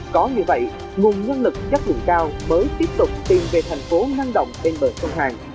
có như vậy nguồn nhân lực chất lượng cao mới tiếp tục tìm về thành phố năng động bên bờ sông hàn